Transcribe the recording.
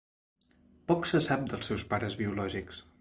Poc se sap dels seus pares biològics.